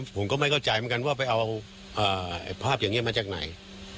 ผมก็ไม่เข้าใจมากันว่าไปเอาภาพอยังไงมาจากไหน